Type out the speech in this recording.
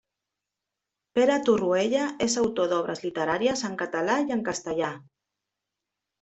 Pere Torroella és autor d'obres literàries en català i en castellà.